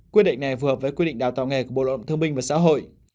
quyết định này phù hợp với quy định đào tạo nghề của bộ động thương minh và xã hội